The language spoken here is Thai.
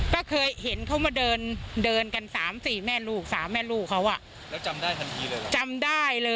ค่ะเคยเห็นเขามาเดินกัน๓๔แม่ลูกเขาอะ